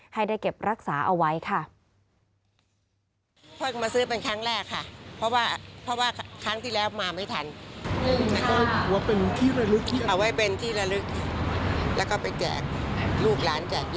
ให้ได้เก็บรักษาเอาไว้ค่ะ